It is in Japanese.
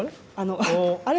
あれ？